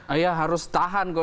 iya harus tahan kok